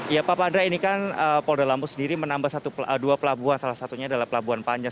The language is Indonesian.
ya pak pandra ini kan polda lampung sendiri menambah dua pelabuhan salah satunya adalah pelabuhan panjang